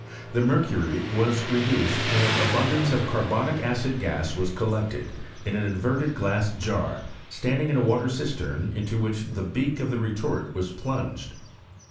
The mercury was reduced and abundance of carbonic acid gas was collected in an inverted glass jar standing in a w^ter cistem into which the beak of the retort was plunged.